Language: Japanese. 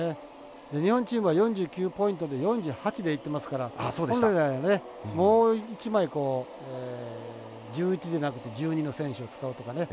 日本チームは４９ポイントで４８でいってますから本来は、もう一枚１１じゃなくて１２の選手を使うとかね。